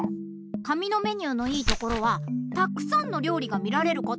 紙のメニューのいいところはたくさんのりょうりがみられること。